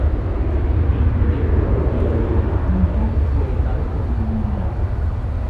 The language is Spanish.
El proyecto enviado por la Junta fue vetado por unanimidad.